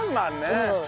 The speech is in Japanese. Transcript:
うん。